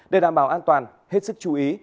để đảm bảo an toàn hết sức chú ý